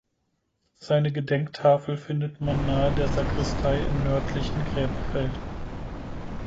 Seine Gedenktafel findet man nahe der Sakristei im nördlichen Gräberfeld.